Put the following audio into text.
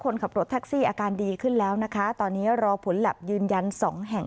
คนขับรถแท็กซี่อาการดีขึ้นแล้วนะคะตอนนี้รอผลแล็บยืนยันสองแห่ง